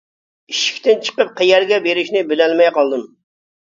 ئىشىكتىن چىقىپ قەيەرگە بېرىشنى بىلەلمەي قالدىم.